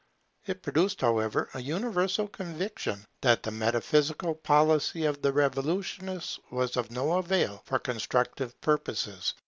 It produced, however, a universal conviction that the metaphysical policy of the revolutionists was of no avail for constructive purposes.